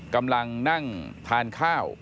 กำลังนั่งทานข้าว